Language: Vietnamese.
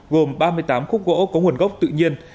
gồm ba mươi tám khúc gỗ có nguồn gốc tự nhiên